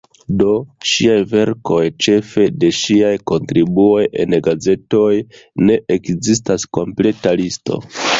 De ŝiaj verkoj, ĉefe de ŝiaj kontribuoj en gazetoj, ne ekzistas kompleta listo.